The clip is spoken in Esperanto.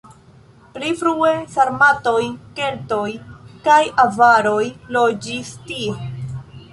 Pli frue sarmatoj, keltoj kaj avaroj loĝis tie.